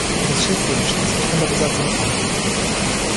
Das Schiff wurde schließlich von der Besatzung aufgegeben.